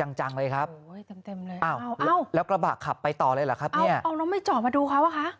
จังจังเลยครับแล้วกระบะขับไปต่อเลยเหรอครับเนี่ยเอาแล้วไม่จอดมาดูเขาอ่ะคะ